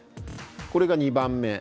これが２番目。